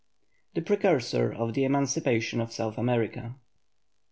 THE PRECURSOR OF THE EMANCIPATION OF SOUTH AMERICA.